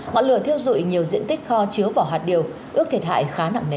ngọn lửa thiêu dụi nhiều diện tích kho chứa vỏ hạt điều ước thiệt hại khá nặng nề